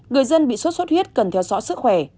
người dân bị sốt xuất huyết cần theo dõi sức khỏe